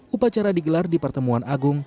upacara digelar di pertemuan agung